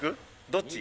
どっち？」